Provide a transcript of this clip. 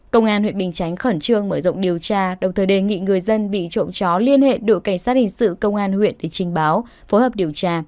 công an huyện bình chánh khẩn trương mở rộng điều tra đồng thời đề nghị người dân bị trộm chó liên hệ đội cảnh sát hình sự công an huyện để trình báo phối hợp điều tra